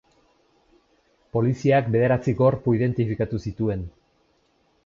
Poliziak bederatzi gorpu identifikatu zituen.